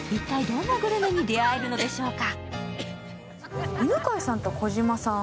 一体どんなグルメに出会えるんでしょうか。